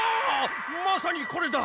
まさにこれだ！